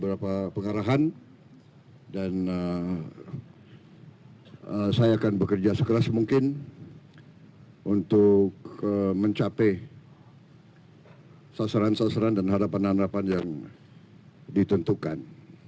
beberapa pengarahan dan saya akan bekerja sekeras mungkin untuk mencapai sasaran sasaran dan harapan harapan yang ditentukan